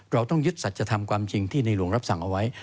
เราต้องยึดสัจธรรมความจริงที่ในหลวงรับสั่งเอาไว้